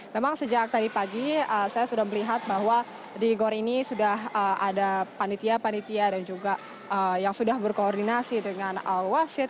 memang sejak tadi pagi saya sudah melihat bahwa di gor ini sudah ada panitia panitia dan juga yang sudah berkoordinasi dengan al wasid